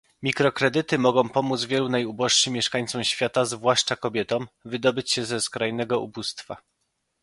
Mikrokredyty mogą pomóc wielu najuboższym mieszkańcom świata, zwłaszcza kobietom, wydobyć się ze skrajnego ubóstwa